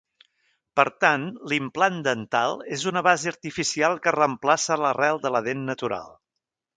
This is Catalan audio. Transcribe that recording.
Per tant, l'implant dental és una base artificial que reemplaça l'arrel de la dent natural.